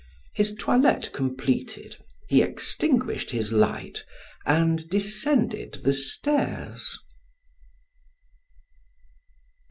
His toilette completed, he extinguished his light and descended the stairs.